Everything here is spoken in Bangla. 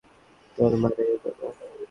তোর মা রেগে যাবে।